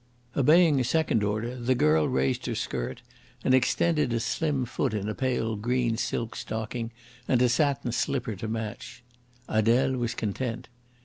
Obeying a second order the girl raised her skirt and extended a slim foot in a pale green silk stocking and a satin slipper to match. Adele was content.